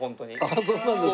ああそうなんですか。